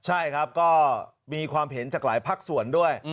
ใช่ครับก็มีความเห็นจากหลายภาคส่วนด้วย